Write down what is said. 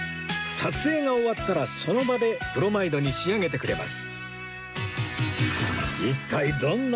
撮影が終わったらその場でプロマイドに仕上げてくれます